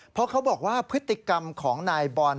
เพราะเขาบอกว่าพฤติกรรมของนายบอล